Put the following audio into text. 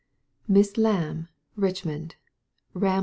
Miss Lamb, Richmond ••